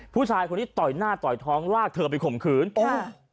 ผู้ชายคนนี้ต่อยหน้าต่อยท้องลากเธอไปข่มขืนอ่า